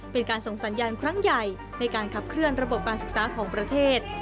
เป็นการส่งสัญญาณครั้งใหญ่ในการขับเคลื่อนระบบการศึกษาของประเทศ